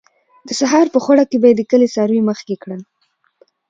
د سهار په خړه کې به یې د کلي څاروي مخکې کړل.